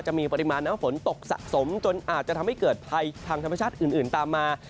จะมีปริมาณน้ำฝนตกสะสมจนอาจจะทำให้เกิดภัยทางธรรมชาติอื่นตามมา